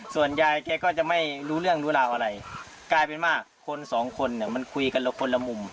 ส่วนยายแกก็จะไม่รู้เรื่องรู้ราวอะไรกลายเป็นว่าคนสองคนเนี่ยมันคุยกันคนละมุม